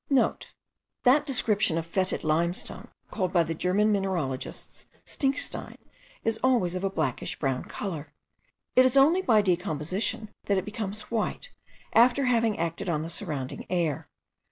*(* That description of fetid limestone called by the German mineralogists stinkstein is always of a blackish brown colour. It is only by decomposition that it becomes white, after having acted on the surrounding air.